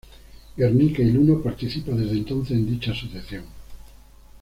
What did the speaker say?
Guernica y Luno participa desde entonces en dicha Asociación.